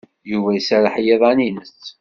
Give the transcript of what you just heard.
Yuba iserreḥ i yiḍan-ines.